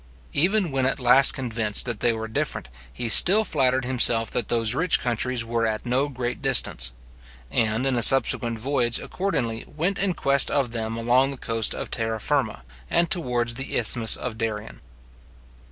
Even when at last convinced that they were different, he still flattered himself that those rich countries were at no great distance; and in a subsequent voyage, accordingly, went in quest of them along the coast of Terra Firma, and towards the Isthmus of Darien.